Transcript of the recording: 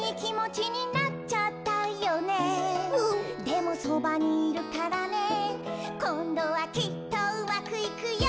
「でもそばにいるからねこんどはきっとうまくいくよ！」